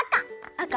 あか？